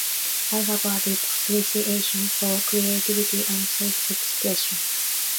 I have a deep appreciation for creativity and self-expression.